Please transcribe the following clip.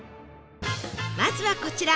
まずはこちら